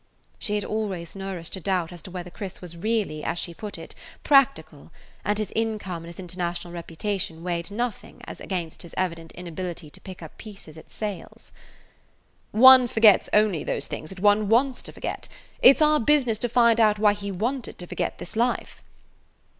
She had always nourished a doubt as to whether Chris was really, as she put it, practical, and his income and his international reputation weighed nothing as against his evident inability to pick up pieces at sales. [Page 162] "One forgets only those things that one wants to forget. It 's our business to find out why he wanted to forget this life."